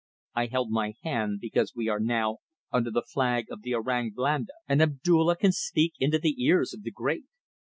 I held my hand because we are now under the flag of the Orang Blanda, and Abdulla can speak into the ears of the great.